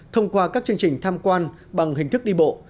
thông qua các chương trình tham quan bằng hình thức đi bộ